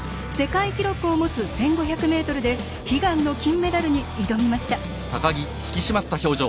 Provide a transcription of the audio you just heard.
世界記録を持つ１５００ｍで悲願の金メダルに挑みました。